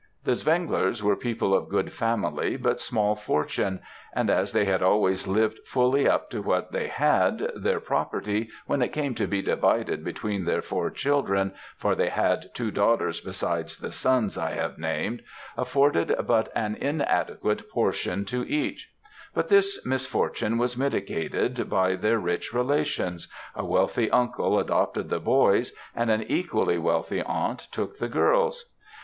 "The Zwenglers were people of good family but small fortune; and as they had always lived fully up to what they had, their property, when it came to be divided between their four children, for they had two daughters besides the sons I have named, afforded but an inadequate portion to each; but this misfortune was mitigated by their rich relations a wealthy uncle adopted the boys, and an equally wealthy aunt took the girls.